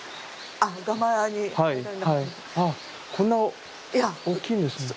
あこんな大きいんですね。